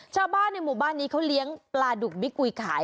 ชาวบ้านในหมู่บ้านนี้เขาเลี้ยงปลาดุกบิ๊กกุยขาย